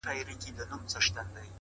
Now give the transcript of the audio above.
حقیقت ورو خو تل ځان ښکاره کوي؛